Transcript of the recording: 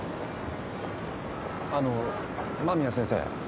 あの間宮先生。